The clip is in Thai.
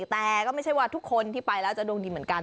แต่ก็ไม่ใช่ว่าทุกคนที่ไปแล้วจะดวงดีเหมือนกัน